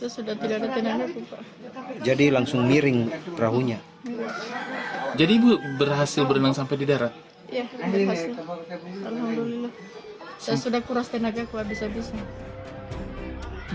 saya sudah kuras tenaga aku habis habisan